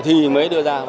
thì mới đưa ra